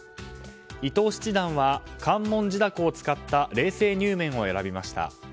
伊藤七段は関門地ダコを使った冷製にゅうめんを選びました。